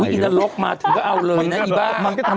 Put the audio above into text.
อินนรกมาถึงก็เอาเลยนะอีบ้า